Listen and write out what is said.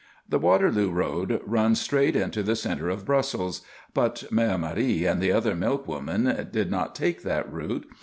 The Waterloo Road runs straight into the centre of Brussels, but Mère Marie and the other milkwomen did not take that route.